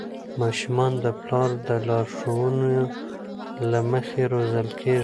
ماشومان د پلار د لارښوونو له مخې روزل کېږي.